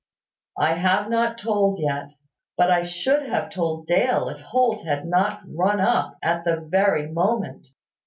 I have not told yet: but I should have told Dale if Holt had not run up at the very moment.